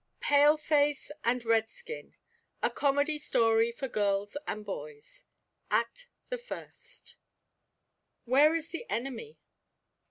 PALEFACE AND REDSKIN A COMEDY STORY FOR GIRLS AND BOYS ACT THE FIRST WHERE IS THE ENEMY?